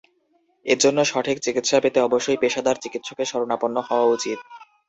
এজন্য সঠিক চিকিৎসা পেতে অবশ্যই পেশাদার চিকিৎসকের শরণাপন্ন হওয়া উচিত।